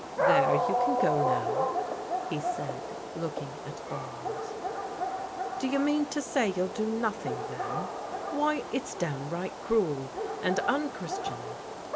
" There, you can go now," he said, looking at Barnes. " Do you mean to say you'll do nothing, then? Why, it's downright cruel, and unchristian."